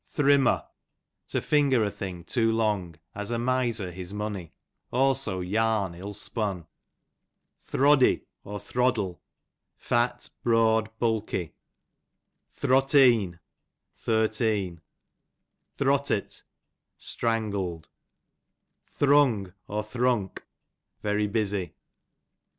Thrimmo, to finger a thing too long, as a miser his money ; also yarn ill spun. Throddy, 1 ^,,„ r fat, broad, bulky. Throddle,J'^ " Tlaxoiieerif^irteen. Throttlt', strangled. Thrung, Thrunk, very busy.